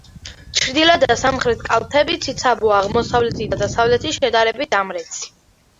ჩრდილოეთ და სამხრეთ კალთები ციცაბოა, აღმოსავლეთი და დასავლეთი შედარებით დამრეცი.